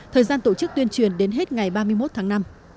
thời gian tổ chức tuyên truyền đến hết ngày ba mươi một tháng năm